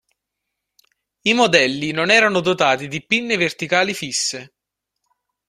I modelli non erano dotati di pinne verticali fisse.